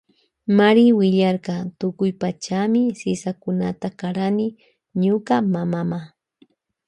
Mari willarka tukuy pachami sisakunata karani ñuka mamama.